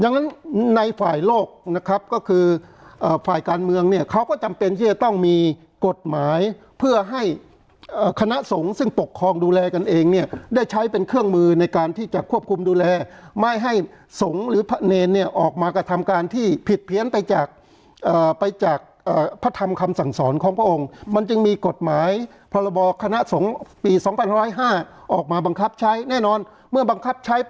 ดังนั้นในฝ่ายโลกนะครับก็คือฝ่ายการเมืองเนี่ยเขาก็จำเป็นที่จะต้องมีกฎหมายเพื่อให้คณะสงฆ์ซึ่งปกครองดูแลกันเองเนี่ยได้ใช้เป็นเครื่องมือในการที่จะควบคุมดูแลไม่ให้สงฆ์หรือพระเนรเนี่ยออกมากระทำการที่ผิดเพี้ยนไปจากไปจากพระธรรมคำสั่งสอนของพระองค์มันจึงมีกฎหมายพรบคณะสงฆ์ปี๒๕๐๕ออกมาบังคับใช้แน่นอนเมื่อบังคับใช้